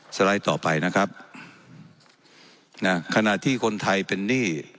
ไลด์ต่อไปนะครับนะขณะที่คนไทยเป็นหนี้